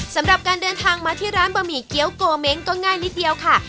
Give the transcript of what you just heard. สำหรับการเดินทางมาที่ร้านบะหมี่เกี้ยวโกเม้งก็ง่ายนิดเดียวค่ะ